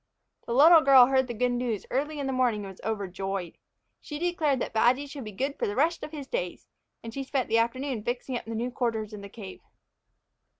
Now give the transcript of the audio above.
The little girl heard the good news early in the morning and was overjoyed. She declared that Badgy should be good for the rest of his days, and she spent the afternoon fixing up the new quarters in the cave.